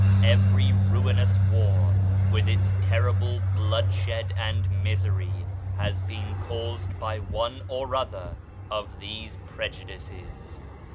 Every ruinous war, with its terrible bloodshed and misery, has been caused by one or other of these prejudices.